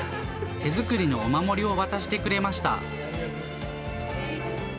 手作りのお守りを渡してくれました。